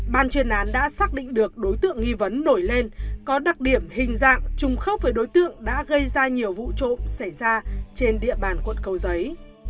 ban chuyên án đã xác định được đối tượng nghi vấn nổi lên có đặc điểm hình dạng trùng khớp với đối tượng đã gây ra nhiều vụ trộm xảy ra trên địa bàn quận cầu giấy